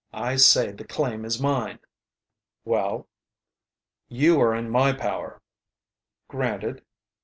I say the claim is mine." "Well?" "You are in my power." "Granted."